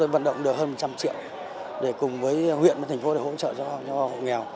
vận động được hơn một trăm linh triệu để cùng với huyện và thành phố để hỗ trợ cho hộ nghèo